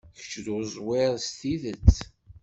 Kečč d uẓwir s tidet.